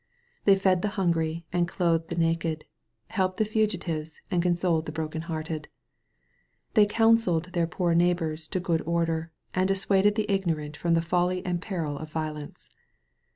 They fed the hungiy and clothed the naked, helped the fugitives and consoled the broken hearted. They counselled their poor neighbors to good order, and dissuaded the ignorant from the folly and peril of violence.